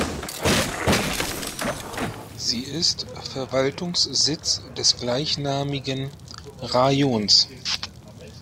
Sie ist Verwaltungssitz des gleichnamigen Rajons.